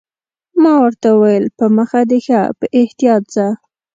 ما ورته وویل: په مخه دې ښه، په احتیاط ځه.